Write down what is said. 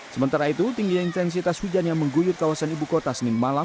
sementara itu tingginya intensitas hujan yang mengguyur kawasan ibu kota senin malam